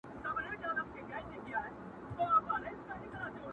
o مور د لور خواته ګوري خو مرسته نه سي کولای,